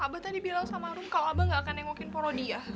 abah tadi bilang sama rum kalo abah ga akan nengokin poro dia